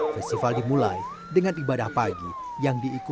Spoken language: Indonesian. festival dimulai dengan ibadah pagi yang diikuti